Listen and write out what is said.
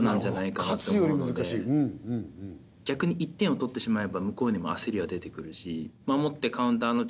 逆に１点を取ってしまえば向こうにも焦りは出てくるし。